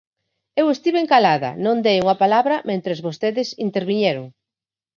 Eu estiven calada, non dei unha palabra mentres vostedes interviñeron.